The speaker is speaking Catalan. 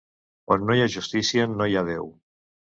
On no hi ha justícia, no hi ha Déu.